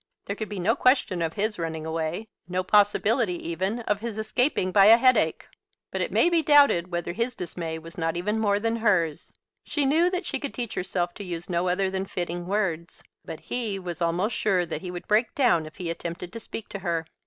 There could be no question of his running away, no possibility even of his escaping by a headache. But it may be doubted whether his dismay was not even more than hers. She knew that she could teach herself to use no other than fitting words; but he was almost sure that he would break down if he attempted to speak to her.